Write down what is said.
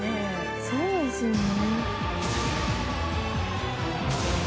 そうですよね。